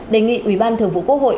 đề nghị ủy ban thường vụ quốc hội